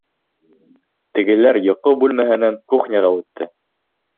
Тегеләр йоҡо бүлмәһенән кухняға үтә.